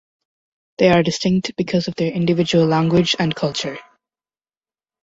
They are distinct because of their individual language and culture.